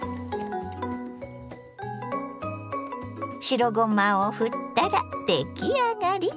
白ごまをふったら出来上がり！